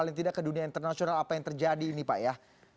paling tidak ke dunia internasional apa yang terjadi ini pak ya